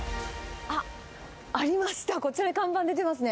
あっ、ありました、こちらに看板出てますね。